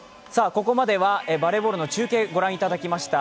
ここまではバレーボールの中継をごらんいただきました。